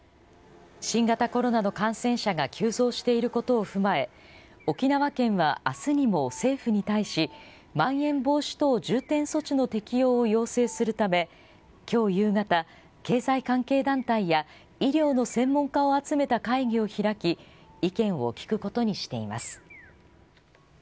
新型コロナの感染者が急増していることを踏まえ、沖縄県はあすにも政府に対し、まん延防止等重点措置の適用を要請するため、きょう夕方、経済関係団体や医療の専門家を集めた会議を開き、意見を聞くことにしています。